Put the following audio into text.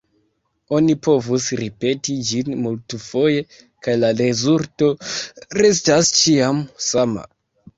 Oni povus ripeti ĝin multfoje, kaj la rezulto restas ĉiam sama.